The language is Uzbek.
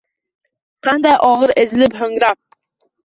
Qanday ogʼir – ezilib, hoʼngrab